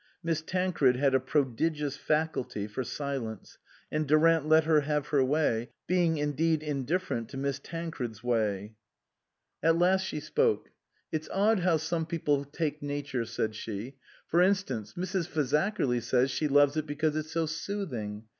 Miss Tancred had a prodigious faculty for silence, and Durant let her have her way, being indeed indifferent to Miss Tancred's way. 53 THE COSMOPOLITAN At last she spoke. " It's odd how some people take Nature," said she ;" for instance, Mrs. Fazakerly says she loves it because it's so soothing.